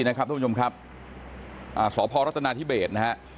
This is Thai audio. นุ่มอยมครับสตรัตนาทิเบส